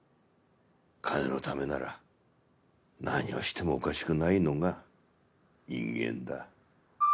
金のためなら何をしてもおかしくないのが人間だ。